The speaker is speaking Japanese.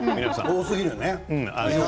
多すぎるね。